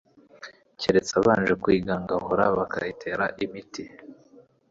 kereka abanje kuyigangahura bakayitera imiti